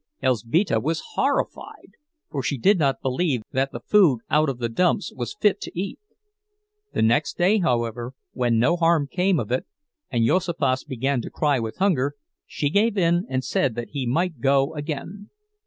Elzbieta was horrified, for she did not believe that the food out of the dumps was fit to eat. The next day, however, when no harm came of it and Juozapas began to cry with hunger, she gave in and said that he might go again.